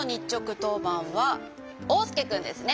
とうばんはおうすけくんですね。